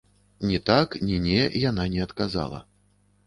Ні так, ні не яна не адказала.